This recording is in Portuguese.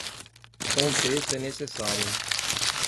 Contexto é necessário.